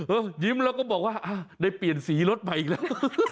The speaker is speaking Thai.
ยิ้มแล้วก็บอกว่าได้เปลี่ยนสีรถใหม่อีกแล้ว